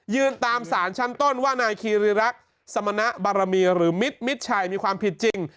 ตามสารชั้นต้นว่านายคีรีรักษ์สมณบารมีหรือมิตรมิดชัยมีความผิดจริง